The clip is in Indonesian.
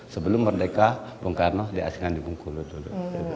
sebelum merdeka bung karno diasingkan di bung kulu dulu